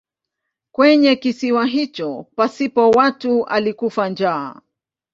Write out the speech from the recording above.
Kwenye kisiwa hicho pasipo watu alikufa njaa.